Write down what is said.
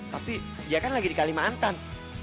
tapi dia kan lagi di kalimantan